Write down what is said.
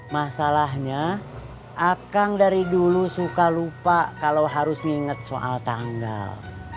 masalahnya akang dari dulu suka lupa kalau harus nginget soal tanggal